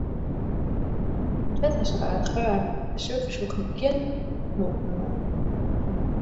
It wetter is noch aardich waarm en surfers hoege gjin moffen oan.